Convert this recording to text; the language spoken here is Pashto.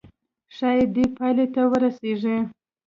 ښايي دې پايلې ته ورسيږئ.